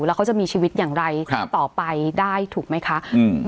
แล้วเขาจะมีชีวิตอย่างไรครับต่อไปได้ถูกไหมคะอืม